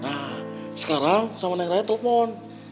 nah sekarang sama neng raya telpon